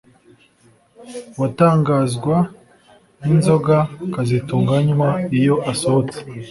Wotangazwa ninzoga kazitunga anywa iyo asohotse